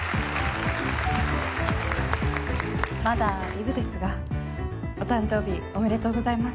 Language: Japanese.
まだイブですがお誕生日おめでとうございます。